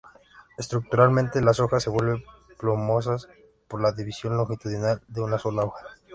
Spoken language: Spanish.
Estructuralmente, las hojas se vuelven plumosas por la división longitudinal de una sola hoja.